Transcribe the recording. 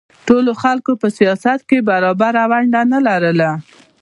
ټولو خلکو په سیاست کې برابره ونډه نه لرله